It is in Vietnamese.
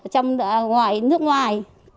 trong nước ngoài